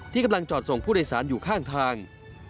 กำลังจอดส่งผู้โดยสารอยู่ข้างทาง